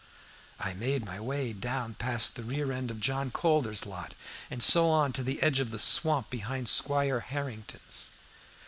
I made my way down past the rear end of John Calder's lot, and so on to the edge of the swamp behind Squire Harrington's.